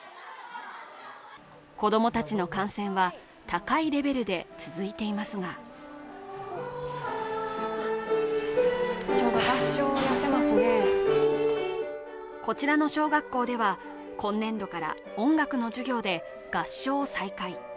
子供たちの感染は高いレベルで続いていますがこちらの小学校では今年度から音楽の授業で合唱を再開。